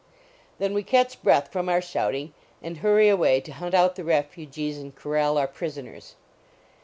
Then we catch breath from our shouting and hurry away to hunt out the refugees and cor ral our prisoners.